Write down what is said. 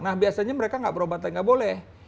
nah biasanya mereka nggak berobatan nggak boleh